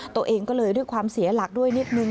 ตัวเองก็เลยด้วยความเสียหลักด้วยนิดนึง